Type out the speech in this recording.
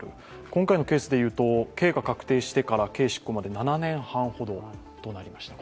今回のケースでいうと刑が確定してから刑執行まで７年半ほどとなりました。